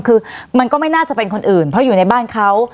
คือมันก็ไม่น่าจะเป็นคนอื่นเพราะอยู่ในบ้านเขา